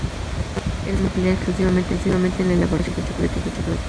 El moldeado se emplea exclusivamente en la elaboración de tabletas de chocolate.